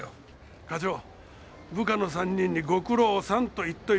課長部下の３人にご苦労さんと言っといてください。